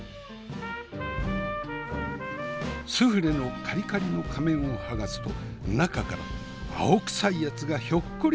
スフレのカリカリの仮面を剥がすと中から青クサいやつがひょっこりはん！